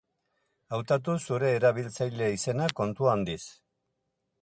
Hautatu zure erabiltzaile-izena kontu handiz.